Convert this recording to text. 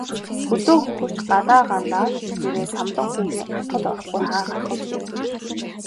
Хөдөө хөхөрч, гадаа гандаад ирэхээрээ Самдан хүүгийн атгад орохгүй хаа гарах вэ дээ.